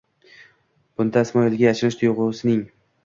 bunda Ismoilga achinish tuyg'usining